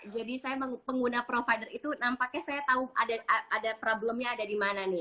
jadi saya pengguna provider itu nampaknya saya tahu ada problemnya ada di mana nih